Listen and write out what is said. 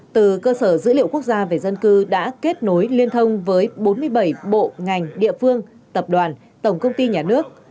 từ cơ sở dữ liệu quốc gia về dân cư đã kết nối liên thông với bốn mươi bảy bộ ngành địa phương tập đoàn tổng công ty nhà nước